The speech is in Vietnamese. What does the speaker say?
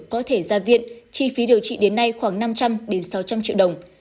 có thể ra viện chi phí điều trị đến nay khoảng năm trăm linh sáu trăm linh triệu đồng